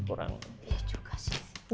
iya juga sih